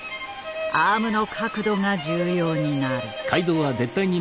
アームの角度が重要になる。